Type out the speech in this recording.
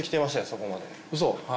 そこまで嘘？